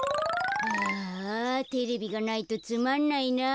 ああテレビがないとつまんないな。